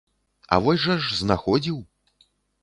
А вось жа ж знаходзіў!